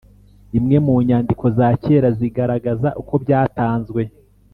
imwe mu nyandiko za kera zigaragaza uko byatanzwe